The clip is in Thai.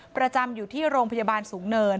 ประจำอยู่ที่โรงพยาบาลสูงเนิน